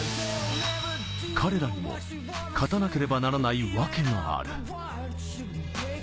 彼らにも、勝たなければならないわけがある。